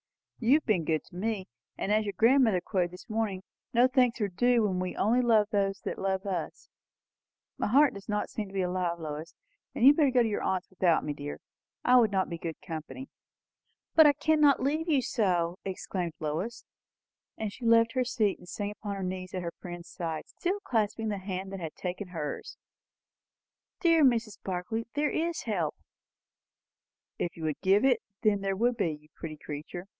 "You have been good to me. And, as your grandmother quoted this morning, no thanks are due when we only love those who love us. My heart does not seem to be alive, Lois. You had better go to your aunt's without me, dear. I should not be good company." "But I cannot leave you so!" exclaimed Lois; and she left her seat and sank upon her knees at her friend's side, still clasping the hand that had taken hers. "Dear Mrs. Barclay, there is help." "If you could give it, there would be, you pretty creature!"